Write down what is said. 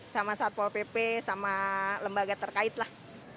sama saat pol pp sama lembaga terkait lah